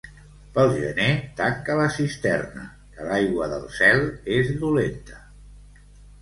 Pel gener, tanca la cisterna, que l'aigua del cel és dolenta.